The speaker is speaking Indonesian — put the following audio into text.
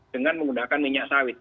dengan menggunakan minyak sawit